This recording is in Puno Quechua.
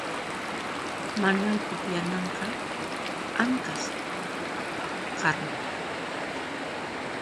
Manuel pukllananqa anqhas pawqarmi